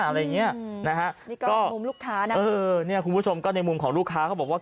อะไรอย่างเงี้ยนะฮะนี่ก็มุมลูกค้านะเออเนี่ยคุณผู้ชมก็ในมุมของลูกค้าเขาบอกว่า